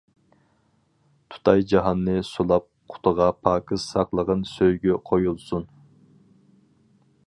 تۇتاي جاھاننى سۇلاپ قۇتىغا پاكىز ساقلىغىن سۆيگۈ قويۇلسۇن.